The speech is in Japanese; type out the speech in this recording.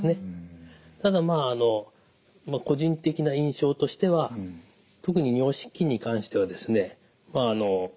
ただまああの個人的な印象としては特に尿失禁に関してはですね